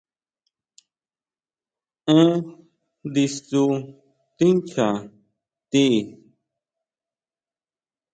Énn ndisu tincha ti.